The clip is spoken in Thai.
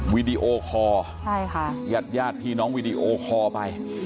วีดีโอคอร์ญาติพี่น้องวีดีโอคอร์ไป